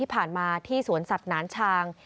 ที่ผ่านมาที่สวนสัตว์หนานชาง